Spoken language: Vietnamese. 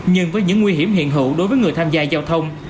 nhưng với những nguy hiểm hiện hữu đối với người tham gia giao thông